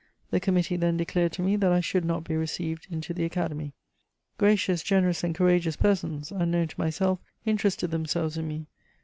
The committee then declared to me that I should not be received into the Academy. Gracious, generous and courageous persons, unknown to myself, interested themselves in me.